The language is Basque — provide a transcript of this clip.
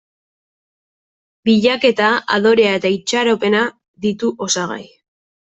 Bilaketa, adorea eta itxaropena ditu osagai.